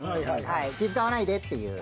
気ぃ遣わないでっていう。